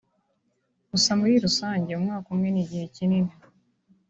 gusa muri rusange umwaka umwe ni igihe kinini